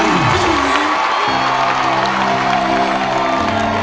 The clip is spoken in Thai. อันนี้ไง